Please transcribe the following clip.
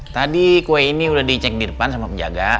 tadi kue ini udah dicek di depan sama penjaga